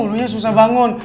lo nya susah bangun